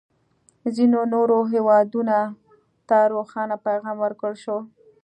ځینو نورو هېوادونه ته روښانه پیغام ورکړل شو.